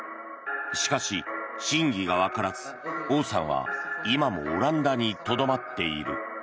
しかし真偽がわからずオウさんは今もオランダにとどまっている。